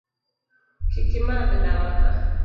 Kik imadh ndawa ka